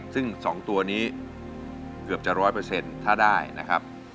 ซึ่งสองตัวนี้เกือบจะร้อยเปอร์เซ็นต์ถ้าได้นะครับ